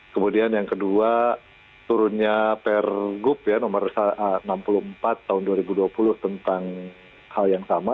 kemudian yang kedua turunnya pergub ya nomor enam puluh empat tahun dua ribu dua puluh tentang hal yang sama